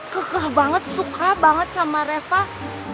kegah banget suka banget sama refah